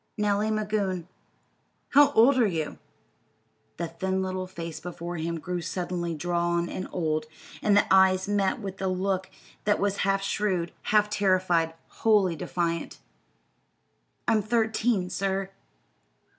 "Nellie Magoon." "How old are you?" The thin little face before him grew suddenly drawn and old, and the eyes met his with a look that was half shrewd, half terrified, and wholly defiant. "I'm thirteen, sir."